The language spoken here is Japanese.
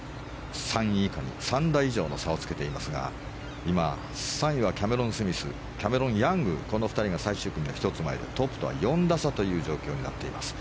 ３位以下に３打以上の差をつけていますが今、３位はキャメロン・スミスキャメロン・ヤングこの２人が最終組の１つ前でトップとは４打差という状況になっています。